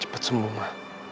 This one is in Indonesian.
cepet semua ma